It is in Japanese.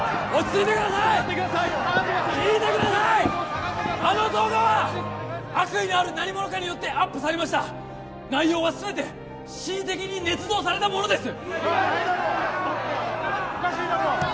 下がってください聞いてくださいあの動画は悪意のある何者かによってアップされました内容は全て恣意的にねつ造されたものです